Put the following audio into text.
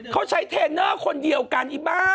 เขาใช้เทรนเนอร์คนเดียวกันอีบ้า